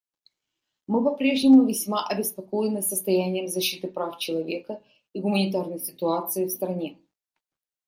Мы по-прежнему весьма обеспокоены состоянием защиты прав человека и гуманитарной ситуацией в стране.